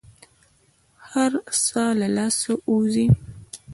هر څه له لاسه ووزي.